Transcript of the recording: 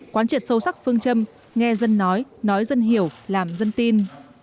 quán triệt sâu sắc phương châm nghe dân nói nói dân hiểu làm dân tin